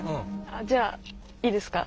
あっじゃあいいですか？